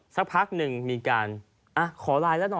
สักพักหนึ่งมีการ